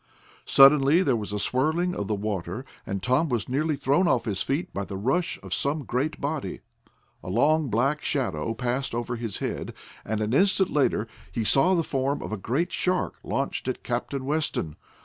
Suddenly there was a swirling of the water, and Tom was nearly thrown off his feet by the rush of some great body. A long, black shadow passed over his head, and an instant later he saw the form of a great shark launched at Captain Weston.